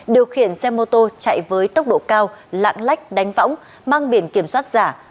điều khiển xe mô tô chạy với tốc độ cao lạng lách đánh võng mang biển kiểm soát giả